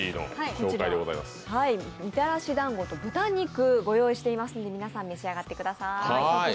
みたらしだんごと豚肉ご用意していますので皆さん、召し上がってみてください。